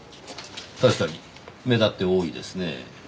確かに目立って多いですねぇ。